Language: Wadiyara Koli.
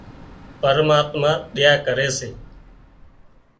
پرماتما ۮيا ڪري سي